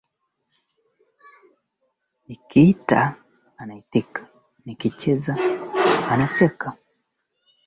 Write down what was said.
nafurahi sana kuona kwamba umeamua kuitegea sikio idhaa ya kiswahili ya rfi na